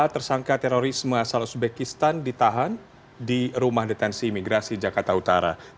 lima tersangka terorisme asal uzbekistan ditahan di rumah detensi imigrasi jakarta utara